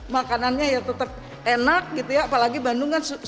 makanannya ya tetap enak gitu ya apalagi bandung kan